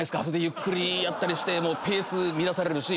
ゆっくりやったりしてペース乱されるし。